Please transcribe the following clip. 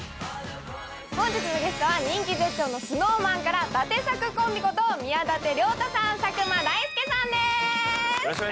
本日のゲストは人気絶頂のＳｎｏｗＭａｎからだてさくコンビこと宮舘涼太さん、佐久間大介さんです。